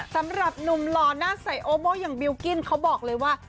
สำหรับหนุ่มหล่อหน้าใส่โอโบอย่างบิลกิ้นเขาบอกเลยว่า